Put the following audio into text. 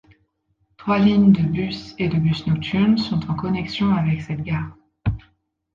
Trois lignes de bus et de bus nocturnes sont en connexion avec cette gare.